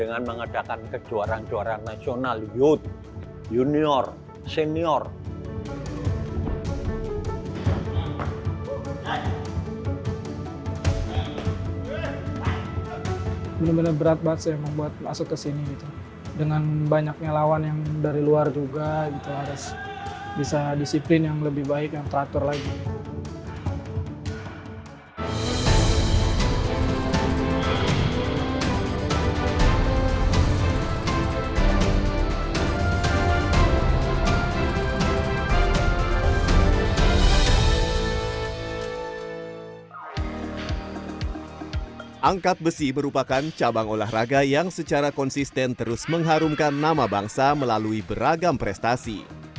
angkat besi merupakan cabang olahraga yang secara konsisten terus mengharumkan nama bangsa melalui beragam prestasi